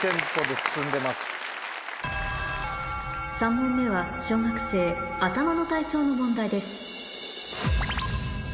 ３問目は小学生頭の体操の問題です